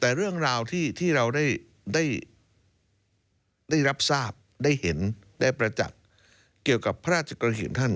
แต่เรื่องราวที่เราได้รับทราบได้เห็นได้ประจักษ์เกี่ยวกับพระราชกรหินท่าน